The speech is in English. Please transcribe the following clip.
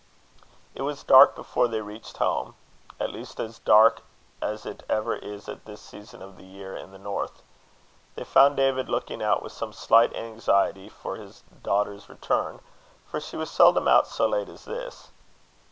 It was dark before they reached home, at least as dark as it ever is at this season of the year in the north. They found David looking out with some slight anxiety for his daughter's return, for she was seldom out so late as this.